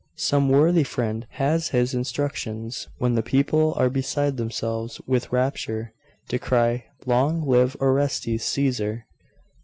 Some worthy friend has his instructions, when the people are beside themselves with rapture, to cry, "Long live Orestes Caesar!"....